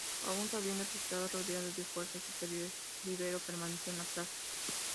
Aun sabiendo que estaba rodeado de fuerzas superiores, Rivero permaneció en la plaza.